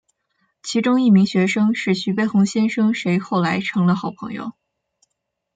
其中一名学生是徐悲鸿先生谁后来成了好朋友。